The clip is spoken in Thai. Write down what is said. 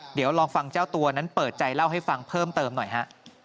เดี๋ยวลองฟังเจ้าตัวนั้นเปิดใจเล่าให้ฟังเพิ่มเติมหน่อยฮะ